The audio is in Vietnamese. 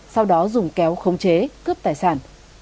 sau đó dùng kéo không chế cướp tài sản